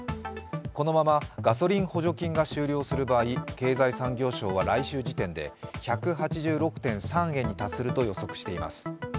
このままガソリン補助金が終了する場合、経済産業省は来週時点で、１８６．３円に達すると予測しています